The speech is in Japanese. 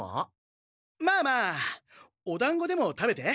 まあまあおだんごでも食べて。